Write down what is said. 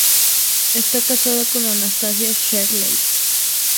Está casado con Anastasia Shirley.